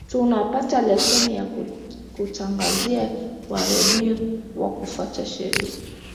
tunapata leseni ya utangazaji wa redio kwa kufuata sheria